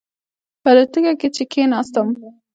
په الوتکه کې چې کېناستم.